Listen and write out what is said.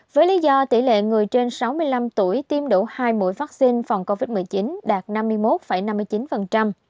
với lý do tỷ lệ người trên sáu mươi năm tuổi tiêm đủ hai mũi vaccine phòng covid một mươi chín đạt năm mươi một năm mươi chín